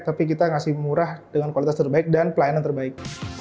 tapi kita ngasih murah dengan kualitas terbaik dan pelayanan terbaik